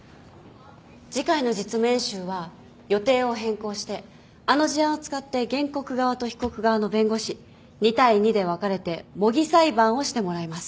次回の実務演習は予定を変更してあの事案を使って原告側と被告側の弁護士２対２で分かれて模擬裁判をしてもらいます。